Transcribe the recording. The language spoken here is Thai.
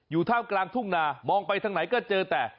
ท่ามกลางทุ่งนามองไปทางไหนก็เจอแต่